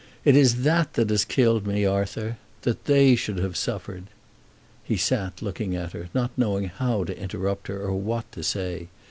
It is that that has killed me, Arthur; that they should have suffered." He sat looking at her, not knowing how to interrupt her, or what to say.